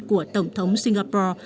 của tổng thống singapore